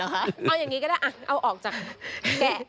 เอาอย่างนี้ก็ได้เอาออกจากแกะ